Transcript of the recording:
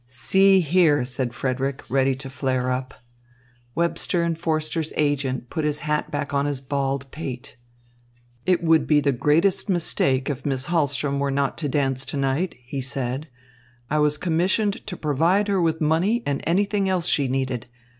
"See here," said Frederick ready to flare up. Webster and Forster's agent put his hat back on his bald pate. "It would be the greatest mistake if Miss Hahlström were not to dance to night," he said. "I was commissioned to provide her with money and anything else she needed.